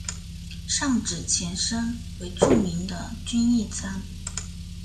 上址前身为著名的均益仓。